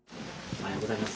おはようございます。